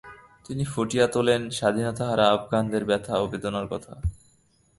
তিনি ফুটিয়ে তোলেন স্বাধীনতাহারা আফগানদের ব্যথা ও বেদনার কথা।